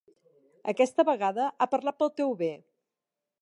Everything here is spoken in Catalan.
Aquesta vegada ha parlat pel teu bé.